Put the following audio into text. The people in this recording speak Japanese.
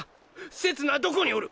せつなどこにおる！？